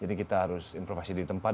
jadi kita harus improvisasi di tempat